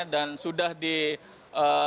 dan sudah diperbaiki